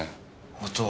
あとは。